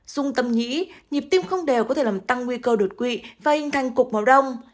dung tâm nhĩ nhịp tim không đều có thể làm tăng nguy cơ đột quỵ và hình thành cục màu đông